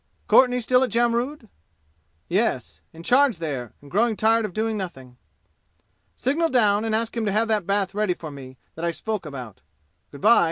"Courtenay still at Jamrud?" "Yes. In charge there and growing tired of doing nothing." "Signal down and ask him to have that bath ready for me that I spoke about. Good by."